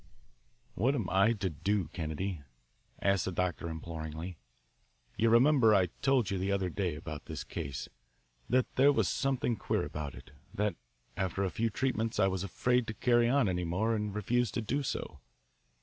"What am I to do, Kennedy?" asked the doctor imploringly. "You remember I told you the other day about this case that there was something queer about it, that after a few treatments I was afraid to carry on any more and refused to do so?